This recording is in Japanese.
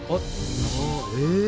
え？